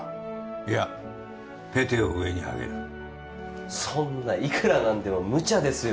いやペテを上にあげるそんないくら何でもムチャですよ